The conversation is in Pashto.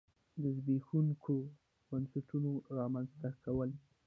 د زبېښونکو بنسټونو رامنځته کول.